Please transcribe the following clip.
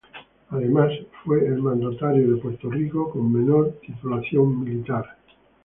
Además, fue el mandatario de Puerto Rico con menor titulación militar.